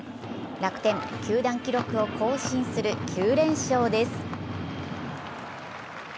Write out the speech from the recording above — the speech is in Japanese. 楽天、球団記録を更新する９連勝です。